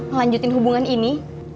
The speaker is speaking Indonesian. melanjutin hubungan ini